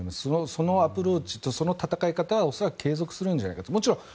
そのアプローチとその戦い方は継続するんじゃないかと。